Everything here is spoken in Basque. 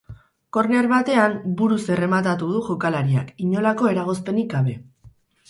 Korner batean buruz errematatu du jokalariak, inolako eragozpenik gabe.